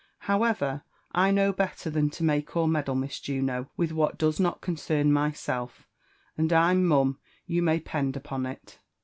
Howofer* I know better than to make or meddle, Miss Juno, with what does imI concern myself, and I'm mum, you may 'pend upon it."